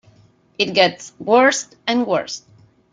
It gets worse and worse.